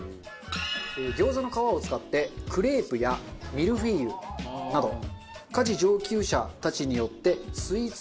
餃子の皮を使ってクレープやミルフィーユなど家事上級者たちによってスイーツ餃子が開発されています。